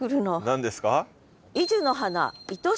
何ですか？